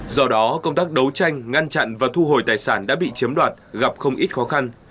do đó công tác đấu tranh ngăn chặn và thu hồi tài sản đã bị chiếm đoạt gặp không ít khó khăn